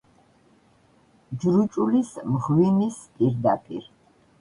ჯრუჭულის მღვიმის პირდაპირ.